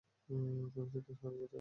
তুমি সত্যিই শহরে যেতে চাও?